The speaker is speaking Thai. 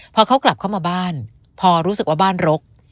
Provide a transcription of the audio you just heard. พอเขากลับเข้ามาบ้านพอรู้สึกว่าบ้านรก